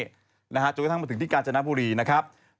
นะคะจุดท่องจากมาถึงที่กาญจนบุรีนะครับ